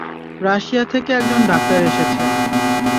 Russia থেকে একজন doctor এসেছে।